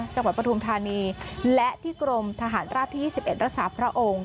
จังหวัดประธุมธานีและที่กรมทหารราบที่๒๑รัศาพระองค์